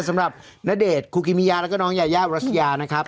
สำหรับณเดชน์คูกิมิยาแล้วก็น้องยายารัชยานะครับ